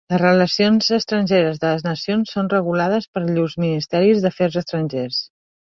Les relacions estrangeres de les nacions són regulades per llurs ministeris d'afers estrangers.